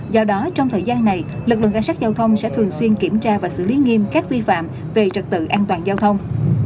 do đó trong thời gian này lực lượng cảnh sát giao thông sẽ thường xuyên kiểm tra và xử lý nghiêm các vi phạm về trật tự an toàn giao thông